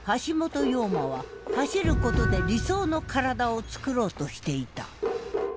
陽馬は走ることで理想の身体をつくろうとしていた。